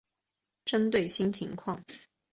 针对新情况